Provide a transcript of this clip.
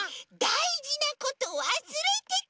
だいじなことわすれてた！